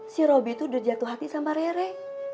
si robi tuh udah jatuh hati sama rere